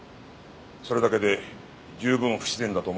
それだけで十分不自然だと思わないか？